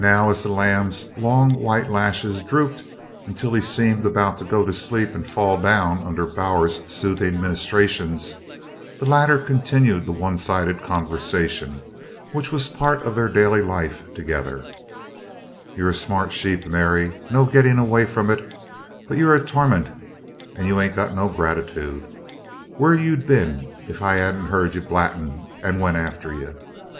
Now as the lamb's long white lashes drooped until he seemed about to go to sleep and fall down under Bowers's soothing ministrations, the latter continued the one sided conversation which was a part of their daily life together: "You're a smart sheep, Mary no gittin' away from it but you're a torment, and you ain't no gratitude. Whur'd you been at if I hadn't heard you blattin' and went after you?